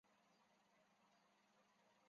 宋敬舆人。